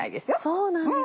そうなんですね。